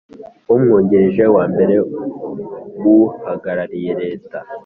Umwungirije wa mbere w Uhagarariye leta